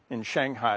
はい。